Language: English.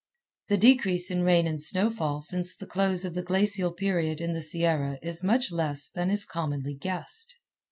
The decrease in rain and snowfall since the close of the glacial period in the Sierra is much less than is commonly guessed.